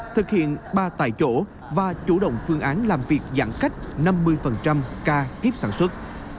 thực hiện ba tại chỗ và chủ động phương án làm việc giãn cách năm mươi ca tiếp sản xuất